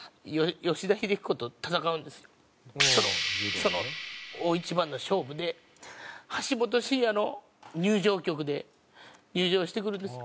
その大一番の勝負で橋本真也の入場曲で入場してくるんですよ。